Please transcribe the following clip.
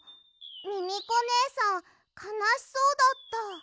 ミミコねえさんかなしそうだった。